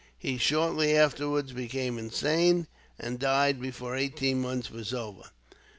He shortly afterwards became insane, and died before eighteen months were over.